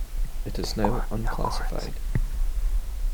It is now unclassified.